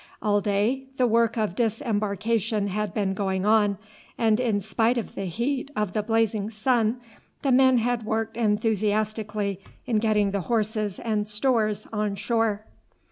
All day the work of disembarkation had been going on, and in spite of the heat of the blazing sun, the men had worked enthusiastically in getting the horses and stores on shore.